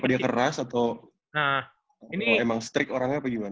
dia keras atau emang strict orangnya apa gimana